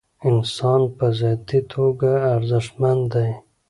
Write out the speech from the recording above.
انسان په ذاتي توګه ارزښتمن دی.